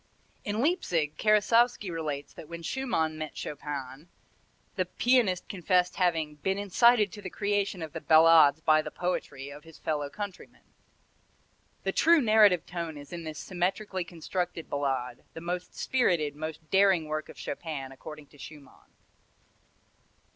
In Leipzig, Karasowski relates, that when Schumann met Chopin, the pianist confessed having "been incited to the creation of the ballades by the poetry" of his fellow countryman. The true narrative tone is in this symmetrically constructed Ballade, the most spirited, most daring work of Chopin, according to Schumann.